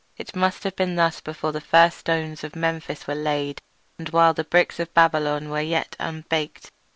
It must have been thus before the first stones of Memphis were laid, and while the bricks of Babylon were yet unbaked.